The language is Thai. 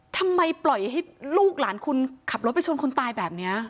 ทำไมปล่อยให้ลูกหลานคุณขับรถไปชนคนตายแบบนี้